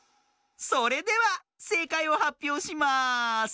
それではせいかいをはっぴょうします。